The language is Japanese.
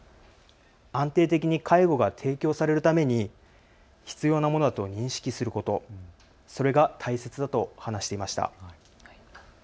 安定的に介護が提供されるために必要なものだと認識すること、それが大切だと話していました。